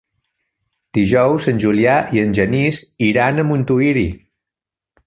Dijous en Julià i en Genís iran a Montuïri.